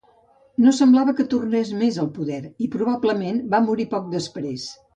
No sembla que tornés més al poder i probablement va morir poc després.